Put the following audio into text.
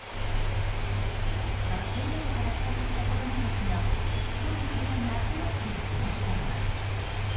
学校などから帰宅した子供たちが１つの部屋に集まって過ごしていました。